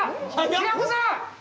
平子さん！